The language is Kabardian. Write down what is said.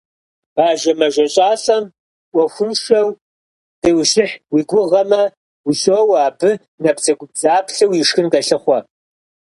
Бажэ мэжэщӏалӏэм ӏуэхуншэу къыущыхь уи гугъэмэ, ущоуэ, абы набдзэгубдзаплъэу ишхын къелъыхъуэ.